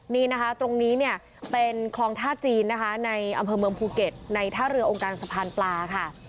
นี่นะคะตรงนี้เนี่ยเป็นคลองท่าจีนนะคะในอำเภอเมืองภูเก็ตในท่าเรือองค์การสะพานปลาค่ะ